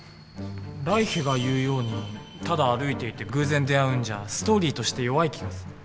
来緋が言うようにただ歩いていて偶然出会うんじゃストーリーとして弱い気がする。